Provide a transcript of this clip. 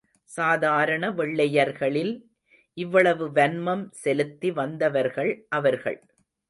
சாதாரண வெள்ளையர்களில் இவ்வளவு வன்மம் செலுத்தி வந்தவர்கள் அவர்கள்.